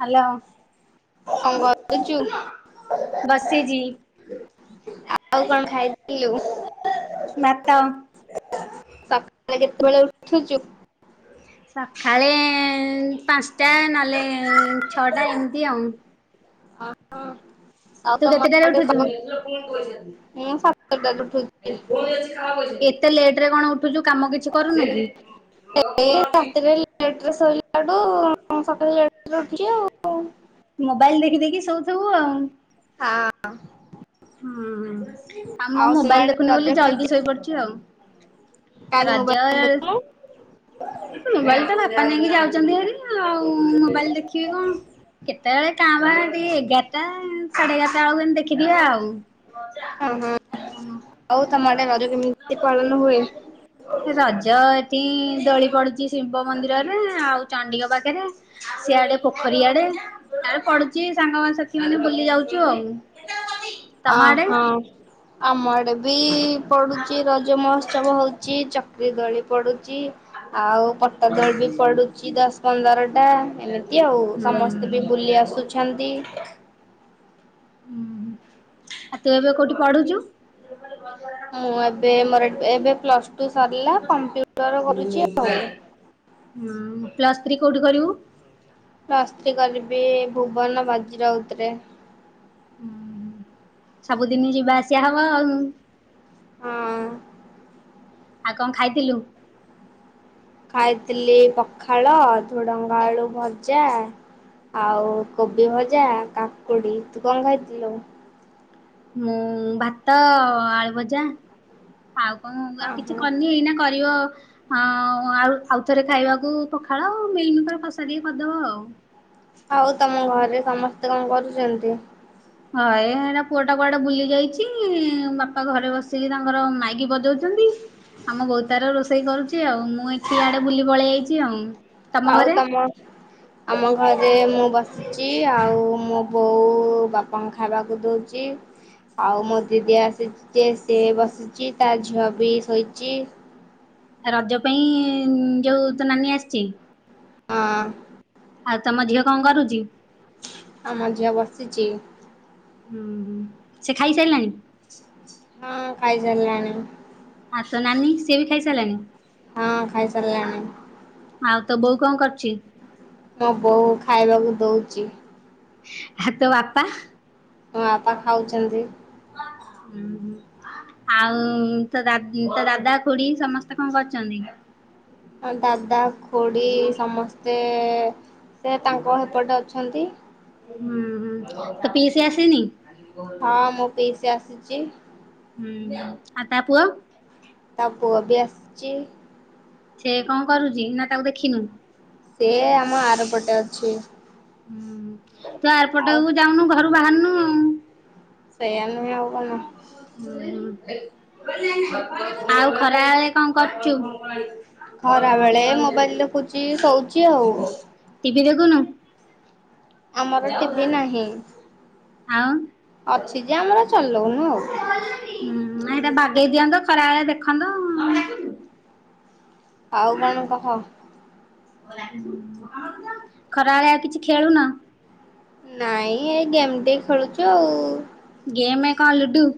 Hello. କଣ କରୁଚୁ? ବସିଛି ଆଉ କଣ ଖାଇଥିଲୁ? ବାତ। ସକାଳେ କେତେବେଳେ ଉଠୁଛୁ? ସଖାଳେ ପାଞ୍ଚଟା ନହେଲେ ଛଅଟା ଏମିତି ଆଉ। ଆ ହୋ। ତୁ କେତେଟାରେ ଉଠୁଛୁ? ମୁ ସାତଟାରେ ଉଠୁଛି। ଏତେ ଲେଟ୍ ରେ କଣ ଉଠୁଛୁ କାମ କିଛି କରୁନି କି? ଏଇ ରାତିରେ ଲେଟ୍ ରେ ସୋଇଲାଠୁ ସକାଳେ ଲେଟ୍ ରେ ଉଠୁଛି ଆଉ ମୋବାଇଲ ଦେଖି ଦେଖି ସଉଥୁବୁ ଆଉ। ହାଁ। ହୁଁ ଆଉ ମୁ ତୁମ ମୋବାଇଲ ଆଡେ ଦେଖୁନି ରଜ ବୋଲି ଜଲଦି ଶୋଇପଡ଼ୁଛି ଆଉ। କେଇଁକି ମୋବାଇଲ ରଜ ଦେଖୁନୁ? ମୋବାଇଲ ତ ବାପା ନେଇକି ଯାଉଛନ୍ତି ହେରି ଆଉ ମୋବାଇଲ ଦେଖିବି କଣ କେତେବେଳେ କାଁ ଭା ଟିକେ ଏଗାରଟା ସାଢ଼େ ଏଗାରଟା ବେଳକୁ ଏମତି ଦେଖିଦିଏ ଆଉ। ହ ହଁ ଆଉ ତମ ଆଡ଼େ ରଜ କେମିତି ପାଳନ ହୁଏ? ରଜ ଏଠି ଦୋଳି ପଡୁଛି ଶିବ ମନ୍ଦିରରେ ଆଉ ଚଣ୍ଡିକ ପାଖରେ। ସିଆଡ଼େ ପୋଖରୀ ଆଡ଼େ ପଡ଼ୁଛି ସାଙ୍ଗ ସାଥିୀ ମାନେ ବୁଲି ଯାଉଛୁ ଆଉ। ଅ ତମ ଆଡେ? ହଁ ଆମ ଆଡ଼େ ବି ପଡ଼ୁଚି ରଜ ମହୋତ୍ସବ ହଉଛି ଚକ୍ରୀ ଦୋଳି ପଡ଼ୁଚି। ଆଉ ପଟାଦୋଳି ବି ହୁଁ। ପଡ଼ୁଚି ଦଶ ପନ୍ଦର ଟା ଏମିତି ଆଉ ସମସ୍ତେ ବି ବୁଲି ଆସୁ ଛନ୍ତି। ଉୁଁ ହୁଁ ଆଉ ତୁ ଏବେ କୋଉଠି ପଢ଼ୁଚୁ? ମୁଁ ଏବେ ମୋର ଏବେ ପ୍ଲସ ଟୁ ସରିଲା କମ୍ପ୍ୟୁଟର କରୁଛି ଆଉ। ହଁ ପ୍ଲସ୍ ଥ୍ରୀ କୋଉଠି କରିବୁ? ବ୍ଲସ ଥ୍ରୀ କରିବି ଭୁବନ ବାଜି ରାଉତ୍ ରେ। ହୁଁ ହୁଁ ସବୁଦିନ ଯିବା ଆସିବା ହବ ଆଉ। ହଁ। ଆଉ କଣ ଖାଇଥିଲୁ? ଖାଇଥିଲି ପଖାଳ ଧୁଡ଼ଙ୍ଗ ଆଳୁ ଭଜା। ଆଉ କୋବି ଭଜା କାକୁଡ଼ି ତୁ କଣ ଖାଇଥିଲୁ? ମୁଁ ଭାତ ଆଳୁ ଭଜା। ଆଉ କଣ ହଁ ଆଉ କିଛି ହଁ। କରିନି ଏଇନା କରିବ ହଁ ଆଳୁ ଆଉ ଆଉଥରେ ଖାଇବାକୁ ପଖାଳ ମିଲ୍ ମିକର କଷା ଟିକେ କରିଦବ ଆଉ। ଆଉ ତମ ଘରେ ସମସ୍ତେ କଣ କରୁଚନ୍ତି? ଘରେ ଏଇନା ପୁଅ ଟା କୁଆଡ଼େ ବୁଲି ଯାଇଛି ବାପା ଘରେ ବସିକି ତାଙ୍କର ମାଇକି ବଜଉଚନ୍ତି। ଆମ ବୋଉ ତାର ରୋଷେଇ କରୁଛି ଆଉ ମୁଁ ଏଠି ଆଡ଼େ ବୁଲି ପଳେଇ ଆଇଛି ଆଉ। ତମ ଆଉ ତମ [unintelligible] ଆମ ଘରେ ମୁଁ ବସିଛି ଆଉ ମୋ ବୋଉ ବାପାଙ୍କ ଖାଇବାକୁ ଦଉଛି। ଆଉ ମୋ ଦିଦି ଆସିଛି ଯେ ସେ ବସିଛି ତା ଝିଅ ବି ଶୋଇଚି। ରଜ ପାଇଁ ଯୋଉ ତୋ ନାନୀ ଆସିଛି? ହଁ। ଆଉ ତମ ଝିଅ କଣ କରୁଛି? ଆମ ଝିଅ ବସିଛି। ହୁଁ ହୁଁ ସେ ଖାଇସାରିଲାଣି? ହଁ ଖାଇ ସାରିଲାଣି। ଆଁ ତୋ ନାନୀ ସିଏ ବି ଖାଇ ସାରିଲାଣି। ହଁ ଖାଇସାରିଲାଣି। ଆଉ ତୋ ବୋଉ କଣ କରୁଛି? ମୋ ବୋଉ ଖାଇବାକୁ ଦଉଚି। ଆ ତୋ ବାପା? ମୋ ବାପା ଖାଉଛନ୍ତି। ହୁଁ, ହୁଁ। ଆଉ ତୋ ଦାଦ ତୋ ଦାଦା, ଖୁଡ଼ି ସମସ୍ତେ କଣ କରୁଛନ୍ତି? ଦାଦା, ଖୁଡ଼ି ସମସ୍ତେ ସେ ତାଙ୍କ ହେପଟେ ଅଛନ୍ତି। ହୁଁ ତୋ ପିସି ଆସି ନି? ହଁ ମୋ ପିଇସି ଆସିଚି। ହୁଁ ଆ ତା ପୁଅ? ତା ପୁଅ ବି ଆସିଚି। ସେ କଁ କରୁଛି ନା ତାକୁ ଦେଖିନୁ? ସିଏ ଆମ ଆର ପଟେ ଅଛି। ହୁଁ ତୁ ଆରପଟ ଆଉ ଯାଉନୁ, ଘରୁ ବାହାରନୁ। ସେୟା ନୁହେଁ ଆଉ କଣ? ହୁଁ ହୁଁ, [unintelligible] ଆଉ ଖରାଳେ କଣ କରୁଛୁ? ଖରା ବେଳେ ମୋବାଇଲ ଦେଖୁଛି, ଶୋଉଛି ଆଉ। ଟିଭି ଦେଖୁନୁ? ଆମର ଟିଭି ନାହିଁ, ଆଉ ଅଛି ଯେ ଆମର ଚଲଉନୁ ଆଉ। ହୁଁ ଏଟା ବାଗେଇ ଦିଅନ୍ତ ଖରାବେଳେ ଦେଖନ୍ତ। ଆଉ କଣ କହ? ଖରାଳେ ଆଉ କିଛି ଖେଳୁନ? ନାଇଁ ଏ ଗେମ୍ ଟିକେ ଖେଳୁଛୁ ଆଉ। ଗେମେ କଁ ଲୁଡ଼ୁ?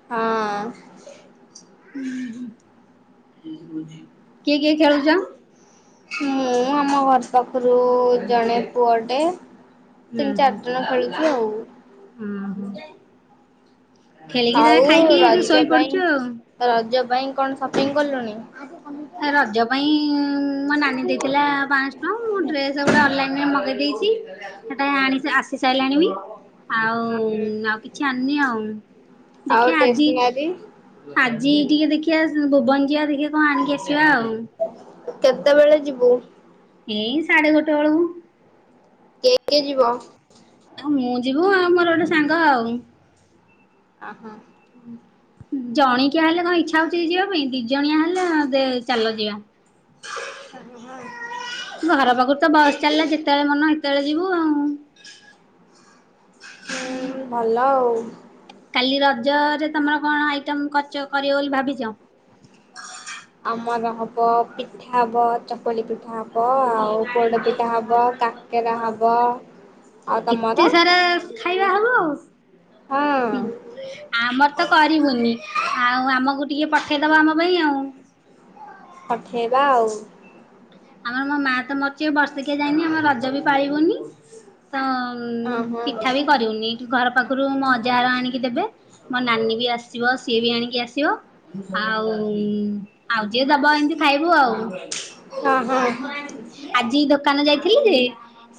ହଁ। କିଏ କିଏ ଖେଳୁଛ? ମୁଁ ଆମ ଘର ପାଖରୁ ଜଣେ ପୁଅଟେ ହୁଁ ତିନି, ହୁଁ ଚାରି ଜଣ ଖେଳୁଛୁ ଆଉ। ହୁଁ ହୁଁ। ଖେଳିକି ତା ଆଉ ଖାଇକି ଏଠୁ ରଜ ଶୋଇପଡୁଛୁ ପାଇଁ ଆଉ। ରଜ ପାଇଁ କଣ ସପିଙ୍ଗ କଲୁଣି? ରଜ ପାଇଁ ମୋ ନାନୀ ଦେଇଥିଲା ପାଞ୍ଚହ ଟଙ୍କା ମୁଁ ଡ୍ରେସ୍ ଗୋଟେ ଅନଲାଇନ ରେ ମଗେଇ ଦେଇଛି ସେଟା ଆଣି ଆସି ସାରିଲାଣି ବି। ଆଉ ଆଉ କିଛି ଆଣିନି ଆଉ ଆଉ ଦେଖିଆ ଆଜି ଟେସନାରୀ ଆଜି ଟିକେ ଦେଖିଆ ଭୁବନ ଯିବା ଦେଖିବା କଣ ଆଣିକି ଆସିବା ଆଉ। କେତେବେଳେ ଯିବୁ? ଏଇ ସାଢେ ଗୋଟେ ବେଳକୁ। କେ କେ ଯିବ? ଆଉ ମୁଁ ଯିବୁ ଆଉ ମୋର ଗୋଟେ ସାଙ୍ଗ ଆଉ। ଆ ହଁ। ଉଁ। ଜଣିକିଆ ହେଲେ କ ଇଚ୍ଛା ହଉଛି ଯିବା ପାଇଁ ଦି ଜଣିଆ ହେଲେ ଦେ ଚାଲ ଯିବା। ଘର ପାଖୁରୁ ତ ବସ ଚାଲିଲା ଯେତେବେଳେ ମନ ହେତେବେଳେ ଯିବୁ ଆଉ। ହୁଁ ଭଲ ଆଉ। କାଲି ରଜରେ ତମର କଣ ଆଇଟମ୍ କଚ କରିବ ବୋଲି ଭାବିଛ? ଆମର ହବ ପିଠା ହବ, ଚକୁଳି ପିଠା ହବ, ଆଉ ପୋଡପିଠା ହବ, କାକେରା ହବ। ଆଉ ଏତେ ତମର? ସାରା ଖାଇବା ହବ। ହଁ ଆମର ତ କରିବୁନି ଆଉ ଆମକୁ ଟିକେ ପଠେଇଦବ ଆମ ପାଇଁ ଆଉ। ପଠେଇବା ଆଉ। ଆମେ ମୋ ମା ତ ମ ସିଏ ବର୍ଷିକିଆ ଯାଇନି ଆମ ରଜ ବି ପାଳିବୁନି ତ ହଁ ପିଠା ବି କରିବୁନି। ଘର ପାଖରୁ ମୋ ଅଜାଘର ଆଣିକି ଦେବେ। ମୋ ନାନୀ ବି ଆସିବ ସିଏ ବି ଆଣିକି ଆସିବ। ଆଉ ଆଉ ଯିଏ ଦବ ଏମିତି ଖାଇବୁ ଆଉ? ହଁ ହୁଁ। ଆଜି ଦୋକାନ ଯାଇଥିଲି ଯେ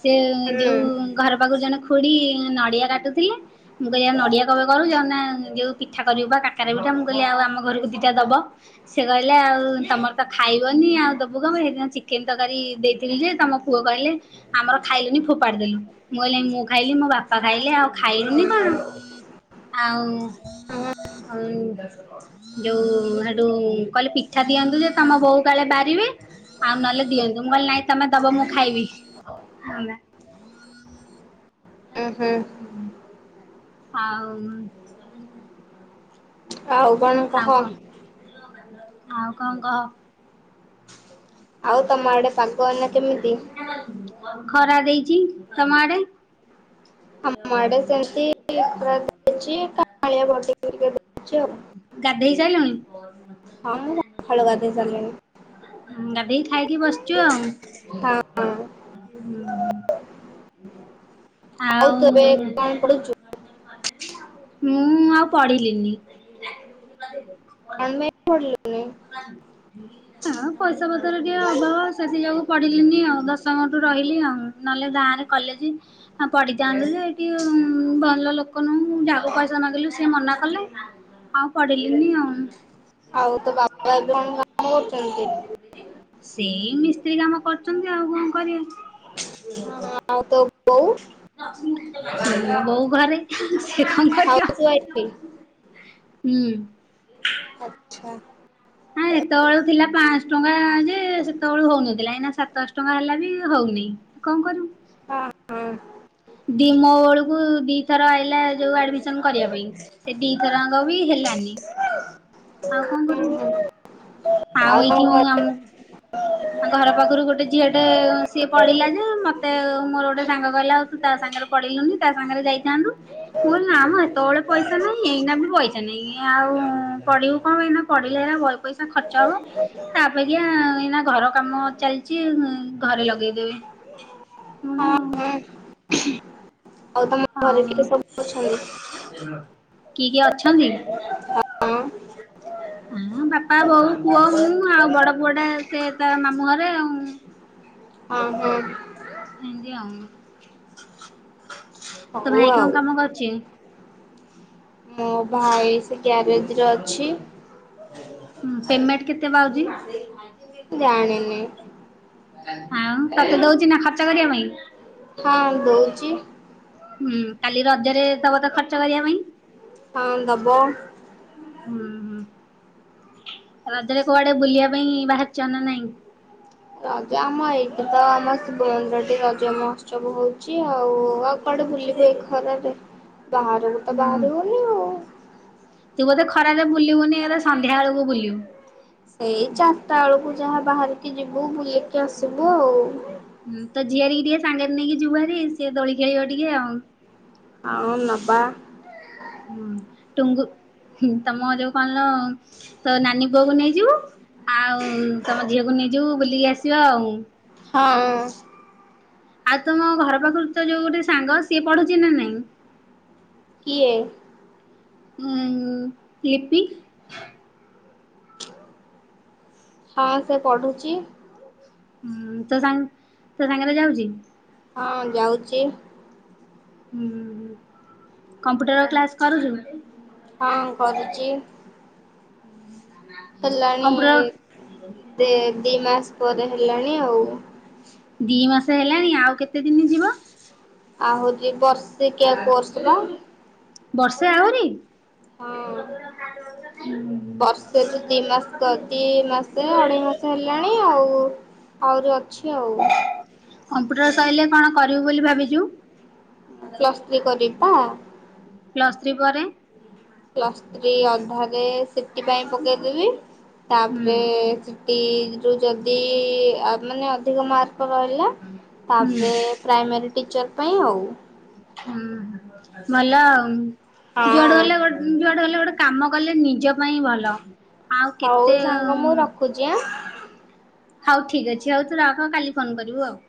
ସେ ଯୋଉ ଘର ପାଖରୁ ଜଣେ ଖୁଡି ନଡିଆ କାଟୁଥିଲେ ମୁଁ କହିଲି ନଡିଆ କଣ ପାଇଁ କରୁଚ ନା ଯୋଉ ପିଠା କରିବୁ ବା କାକେରା ପିଠା ମୁଁ କହିଲି ଆଉ ଆମ ଘରକୁ ଦିଟା ଦବ। ସେ କହିଲେ ଆଉ ତମର ତ ଖାଇବନି ଆଉ ଦ ବୁ ମୁଁ ସେଦିନ ଚିକେନ ତରକାରୀ ଦେଇଥିଲି ଯେ ତମ ପୁଅ କହିଲେ ଆମର ଖାଇଲୁନି ଫୋପାଡି ଦେଲୁ ମୁଁ କହିଲି ମୁଁ ଖାଇଲି ମୋ ବାପା ଖାଇଲେ ଆଉ ଖାଇଲୁନି କଣ? ଆଉ, ଆମ୍ ଯୋଉ ସେଠୁ କହିଲେ ପିଠା ଦିଅନ୍ତୁ ଯେ ତମ ବୋଉ କାଳେ ବାରିବେ? ଆଉ ନହେଲେ ଦିଅନ୍ତୁ ମୁ କହିଲି ନାଇଁ ତମେ ଦବ ମୁଁ ଖାଇବି। ହୁଁ ହୁଁ। ହୁଁ ଆଉ ଆଉ କହ ଆଉ କଣ ଆଉ କଣ କହ? ଆଉ ତମ ଆଡେ ପାଗ ଏଇନା କେମିତି? ଖରା ଦେଇଛି। ତମ ଆଡେ? ଆମ ଆଡ଼େ ସେମତି [unintelligible] କାଳିଆ ଗାଧେଇ ସାରିଲୁଣି? [unintelligible] ହଁ, ମୁଁ ସକାଳୁ ଗାଧେଇ ସାରିଲିଣି। ଗାଧେଇକି ଖାଇକି ବସିଛୁ ଆଉ। ହଁ। ଆଉ ତୁ ମୁଁ ଏବେ କଣ ପଢୁଛୁ? ଆଉ ପଢିଲିନି। କଣ ପାଇଁ ପଢିଲୁନି? ନା। ହଁ ପଇସା ପତର ଟିକେ ଅଭାବ ସେଥିଯୋଗୁଁ ପଢିଲିନି ଆଉ ଦଶମଠୁ ରହିଲି ଆଉ ନହେଲେ ଗାଁରେ କଲେଜ ପଡ଼ିଥାନ୍ତି ଯେ ଏଠି ଭଲ ଲୋକ ନୁହଁ ଯାହାକୁ ପଇସା ମାଗିଲୁ ସିଏ ମନା କଲେ ଆଉ ପଢିଲିନି ଆଉ। ଆଉ ତୋ ବା କଣ କାମକରୁଛନ୍ତି? ସେଇ ମିସ୍ତ୍ରୀ କାମ କରୁଛନ୍ତି ଆଉ କଣ କରିବେ? ହଁ, ଆଉ ତୋ ବୋଉ ବୋଉ ଘରେ ସିଏ କଣ କରିବ? ଠିକ୍। ହୁଁ। ଆଚ୍ଛା। ନା ଏତେବେଳୁ ଥିଲା ପାଆଁଶ ଟଙ୍କା ଯେ ସେତେବେଳୁ ହଉନଥିଲା ଏଇଁନା ସାତଶ ଟଙ୍କା ହେଲା ବି ହଉନି। କଣ କରିବୁ? ହଁ ହଁ। ଦି ମୋ ବେଳକୁ ଦିଥର ଆଇଲା। ଯୋଉ ଆଡମିସନ କରିବା ପାଇଁ ସେ ଦିଥର ଯାଙ୍କ ବି ହେଲାନି ଆଉ କଣ ହୁଁ କରିବୁ? ହୁଁ ଆଉ ତମ ଏଇଠି ମୁ ଘରେ ଆମ ଘର ପାଖରୁ ଗୋଟେ ଝିଅ ଟେ ସିଏ ପଢିଲା ଯେ ମତେ ମୋର ଗୋଟେ ସାଙ୍ଗ କହିଲା ଆଉ ତୁ ତା ସାଙ୍ଗରେ ପଢିଲୁନି ତା ସାଙ୍ଗରେ ଯାଇଥାନ୍ତୁ। ମୁଁ କହିଲି ନା ମ ଏତେବେଳେ ପଇସା ନାହିଁ ଏଇନା ବି ପଇସା ନାହିଁ ଆଉ ପଢିବୁ କଣ ଏଇନା। ପଢିଲେ ଏଇନା ବହେ ପଇସା ଖର୍ଚ୍ଚ ହବ। ତା ଅପେକ୍ଷା ଏନା ଘର କାମ ଚାଲିଚି ଘରେ ଲଗେଇଦେବି। ହଁ [unintelligible] ହଁ ଆଉ ତମ ଘରେ ଆଉ କିଏ ସବୁ ଅଛନ୍ତି? କିଏ କିଏ ଅଛନ୍ତି? ହଁ ହଁ ହଁ ହଁ ବାପା ବୋଉ ପୁଅ ମୁଁ ଆଉ ବଡ଼ ପୁଅଟା ସେ ତା ମାମୁଁ ଘରେ ଆଉ। ହଁ ହଁ। ଏମିତି ଆଉ ତୋ ହଉ ଭାଇ ଆଉ କଣ କାମ କରୁଛି? ମୋ ଭାଇ ସେ ଗ୍ୟାରେଜରେ ଅଛି। ପେମେଣ୍ଟ କେତେ ବାଉଛି। ଜାଣିନି ଆଉ ତତେ ଦଉଛି ନା ଖର୍ଚ୍ଚ କରିବା ପାଇଁ? ହଁ ଦଉଚି। ହୁଁ କାଲି ରଜରେ ଦବ ତ ଖର୍ଚ୍ଚ କରିବା ପାଇଁ? ହଁ ଦବ। ହୁଁ ହୁଁ। ରଜରେ କୁଆଡେ ବୁଲିବା ପାଇଁ ବାହାରିଛ ନା ନାହିଁ? ରଜ ଆମ ଏଇଠି ତ ଆମ ଶିବ ମନ୍ଦିରଟି ରଜ ମହୋତ୍ସବ ହଉଛି ଆଉ। କୁଆଡେ ବୁଲିବୁ ଏଇ ଖରାରେ ବାହାରକୁ ତ ହୁଁ ବାହାରିବୁନି ଆଉ। ତୁ ବୋଧେ ଖରାରେ ବୁଲିବୁନି ହେଲେ ସନ୍ଧ୍ୟା ବେଳକୁ ବୁଲିବୁ। ସେଇ ଚାରିଟା ବେଳକୁ ଯାହା ବାହାରିକି ଯିବୁ ବୁଲିକି ଆସିବୁ ଆଉ। ହୁଁ ତୋ ଝିଅରିକି ଟିକେ ସାଙ୍ଗରେ ନେଇକି ଜିବୁ ବାହାରୀ ସିଏ ଦୋଳି ଖେଳିବ ଟିକେ ଆଉ। ଆଉ ନବା। ହୁଁ ଟୁଙ୍ଗୁ ତମ ଯୋଉ କଣଲୋ? ତୋ ନାନୀ ପୁଅକୁ ନେଇଜିବୁ ଆଉ ତମ ଝିଅକୁ ନେଇଯିବୁ ବୁଲିକି ଆସିବା ଆଉ। ହଁ। ଆଉ ତମ ଘର ପାଖରୁ ତୋ ଯୋଉ ଗୋଟେ ସାଙ୍ଗ ସିଏ ପଢ଼ୁଛି ନା ନାଇଁ? କିଏ? ଉଁ ଲିପି? ହଁ ସେ ପଢୁଛି। ହୁଁ ତୋ ସାଙ୍ଗ ତୋ ସାଙ୍ଗରେ ଜାଉଛି? ହଁ ଯାଉଛି। ହୁଁ କମ୍ପ୍ୟୁଟର କ୍ଲାସ କରୁଛୁ? ହଁ କରୁଛି। ହୁଁ ହେଲାଣି ଦି ମାସ ପରେ ହେଲାଣି ଆଉ। ଦି ମାସ ହେଲାଣି ଆଉ କେତେ ଦିନ ଯିବ? ଆଉ ହଉଛି ବର୍ଷେ କି କୋର୍ସ ବା। ବର୍ଷେ ଆଉରିି। ହଁ। ହୁଁ। ବର୍ଷେ ଯୋଉ ଦି ମାସ କରି ଦିଏ ଏ ମାସ ଅଢେଇ ମାସ ହେଲା। ହେଲାଣି ଆଉ ଆହୁରି ଅଛି ଆଉ। କମ୍ପ୍ୟୁଟର ସରିଲେ କଣ କରିବୁ ବୋଲି ଭାବିଛୁ? ପ୍ଲସ୍ ଥ୍ରୀ କରିବି ପା। ପ୍ଲସ୍ ଥ୍ରୀ ପରେ? ପ୍ଲସ୍ ଥ୍ରୀ ଆଧାକେ ସି ଟି ପାଇଁ ପକେଇଦବି। ହୁଁ ତାପରେ ଟି ରୁ ଯଦି ଆ, ମାନେ ଅଧିକ ମାର୍କ ରହିଲା ହଁ ହୁଁ। ସେ ପ୍ରାଇମେରି ଟିଚର୍ ପାଇଁ ଆଉ। ଉଁ, ହୁଁ, ଭଲ ଆଉ ଯୁଆଡେ ହଁ ହେଲେ ଗୋ ଯୁଆଡେ ହେଲେ ଗୋଟେ କାମ କଲେ ନିଜ ପାଇଁ ଭଲ। ଆଉ କେତେ ହଉ ସାଙ୍ଗ ମୁଁ ଉଁ, ରଖୁଛି ଆଁ। ହଉ ଠିକ୍ ଅଛି ହଉ ତୁ ରଖ କାଲି ଫୋନ୍ କରିବୁ ଆଉ।